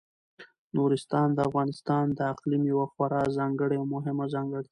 نورستان د افغانستان د اقلیم یوه خورا ځانګړې او مهمه ځانګړتیا ده.